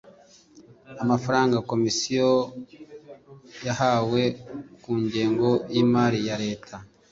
amafaranga komisiyo yahawe ku ngengo y imari ya leta